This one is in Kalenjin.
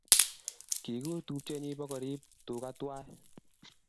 Kigur tupchennyi pkorip tuga twai.